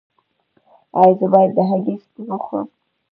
ایا زه باید د هګۍ سپین وخورم؟